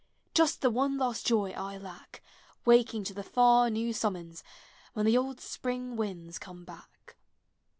Just the one last joy I lack, Waking to the far new summons, When the old spring winds come back.